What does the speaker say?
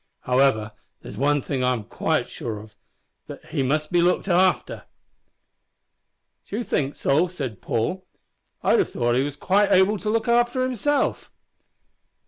Howsever, there's one thing I'm quite sure of that he must be looked after." "D'ye think so?" said Paul. "I'd have thought he was quite able to look arter himself."